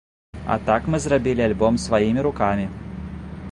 А так мы зрабілі альбом сваімі рукамі!